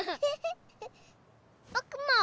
ぼくも！